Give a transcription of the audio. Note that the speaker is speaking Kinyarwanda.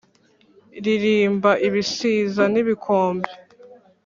Ririmba ibisiza n'ibikombe